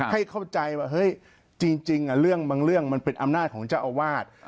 ให้เข้าใจว่าเฮ้ยจริงเรื่องบางเรื่องมันเป็นอำนาจของเจ้าอาวาส